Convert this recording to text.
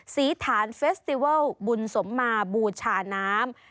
ศรีฐานเฟสติเวิลบุญสมมาบูชาน้ำ